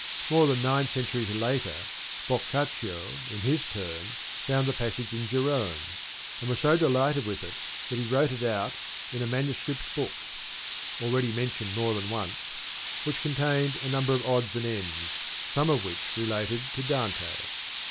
More than nine centuries later Boccaccio in his turn found the passage in Jerome, and was so delighted with it that he wrote it out in a manuscript book (already mentioned more than once) which contained a number of odds and ends, some of which related to Dante.